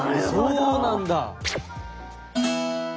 そうなんだ！